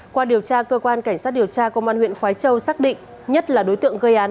qua điều tra cơ quan cảnh sát điều tra công an huyện khói châu xác định nhất là đối tượng gây án